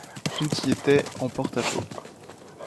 Tout y était en porte-à-faux.